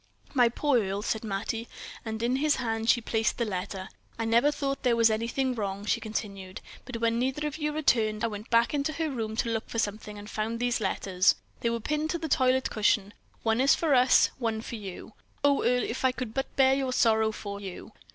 "My poor Earle," said Mattie; and in his hand she placed the letter. "I never thought there was anything wrong," she continued; "but when neither of you returned, I went back into her room to look for something, and found these letters. They were pinned to the toilet cushion. One is for us, one for you. Oh, Earle, if I could but bear your sorrow for you."